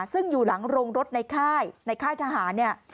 ซึ่งอยู่หลังโรงรถในค่ายในค่ายทหารเนี่ย